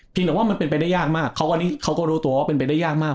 แต่ว่ามันเป็นไปได้ยากมากเขาก็รู้ตัวว่าเป็นไปได้ยากมาก